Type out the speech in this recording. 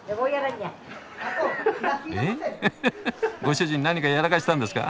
ご主人何かやらかしたんですか？